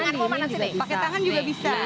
pakai tangan juga bisa